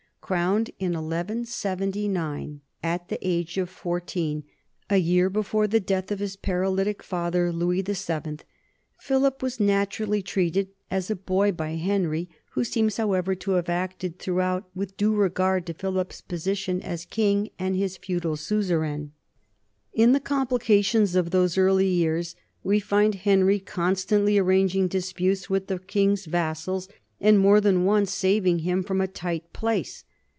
Crowned in 1 1 79 at the age of fourteen, a year before the death of his paralytic father Louis VII, Philip was naturally treated as a boy by Henry, who seems, however, to have acted throughout with due regard to Philip's position as king and his feudal suzerain. In the complications of those early years we find Henry constantly arranging disputes with the king's vassals and more than once saving him from a tight place.